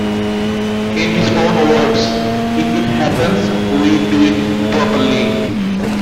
In his own words; If it happens, we do it properly.